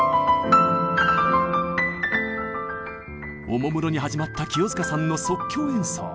おもむろに始まった清塚さんの即興演奏。